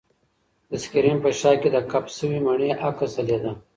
د سکرین په شاه کې د کپ شوې مڼې عکس ځلېده.